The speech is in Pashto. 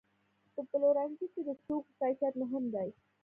په پلورنځي کې د توکو کیفیت مهم دی.